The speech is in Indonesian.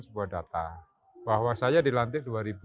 saya akan mengkomparasikan sebuah data bahwa saya di lantai dua ribu enam belas